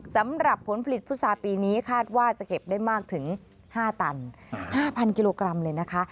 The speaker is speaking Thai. สำหรับผลผลิตพุษาปีนี้คาดว่าจะเก็บได้มากถึง๕ตัน๕๐๐กิโลกรัมเลยนะคะ